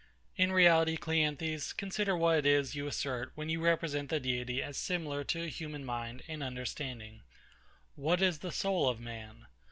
In reality, CLEANTHES, consider what it is you assert when you represent the Deity as similar to a human mind and understanding. What is the soul of man?